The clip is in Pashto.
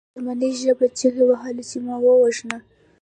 ما په جرمني ژبه چیغې وهلې چې ما ووژنه